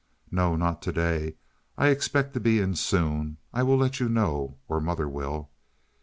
"No, not to day. I expect to be in soon. I will let you know, or mother will."